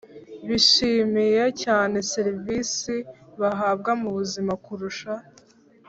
bishimiye cyane serivisi bahabwa mu buzima kurusha